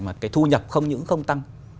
mà cái thu nhập không những không tăng